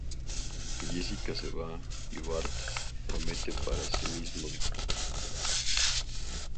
Jessica se va, y Bart promete para sí mismo dejar muy mal las escaleras.